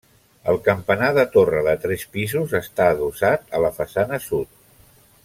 El campanar de torre de tres pisos està adossat a la façana sud.